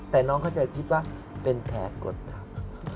แต่น้องเข้าใจคิดว่าเป็นแผลกดทับ